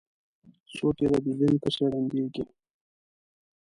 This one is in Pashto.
څوک یې دیدن پسې ړندیږي.